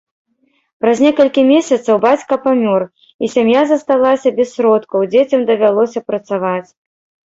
Праз некалькі месяцаў бацька памёр, і сям'я засталася без сродкаў, дзецям давялося працаваць.